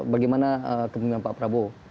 bagaimana kemampuan pak prabowo